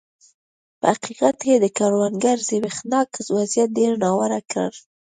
په حقیقت کې د کروندګرو زبېښاک وضعیت ډېر ناوړه کړ.